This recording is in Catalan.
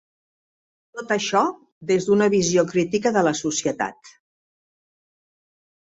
Tot això des d’una visió crítica de la societat.